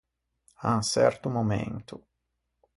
À un çerto momento.